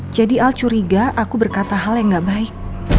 jadi al curiga aku berkata hal yang gak baik